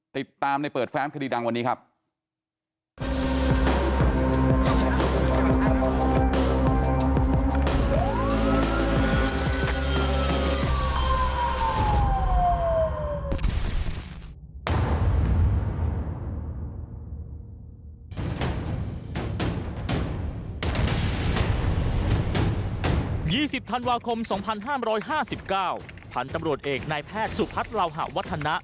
ติดตามในเปิดแฟ้มคดีดังวันนี้ครับ